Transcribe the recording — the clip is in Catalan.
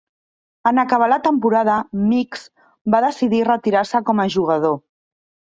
En acabar la temporada, Mix va decidir retirar-se com a jugador.